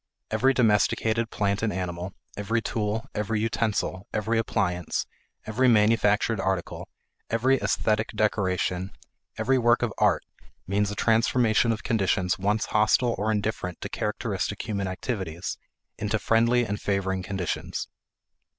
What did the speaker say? Every domesticated plant and animal, every tool, every utensil, every appliance, every manufactured article, every esthetic decoration, every work of art means a transformation of conditions once hostile or indifferent to characteristic human activities into friendly and favoring conditions.